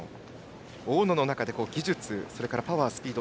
大野の中で技術、パワー、スピード